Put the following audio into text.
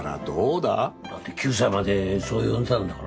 だって９歳までそう呼んでたんだから。